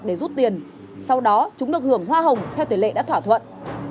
để rút tiền sau đó chúng được hưởng hoa hồng theo tỷ lệ đã thỏa thuận